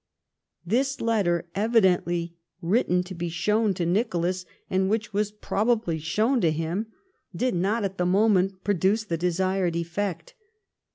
This letter, evidently written to be shown to Nicholas, and which was probably shown to him, did not at the moment produce the desired effect.